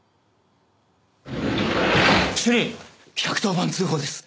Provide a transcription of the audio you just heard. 主任１１０番通報です。